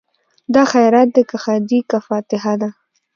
دا خیرات دی که ښادي که فاتحه ده